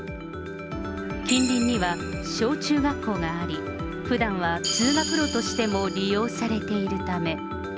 近隣には小中学校があり、ふだんは通学路としても利用されているため。